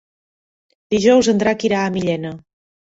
Dijous en Drac irà a Millena.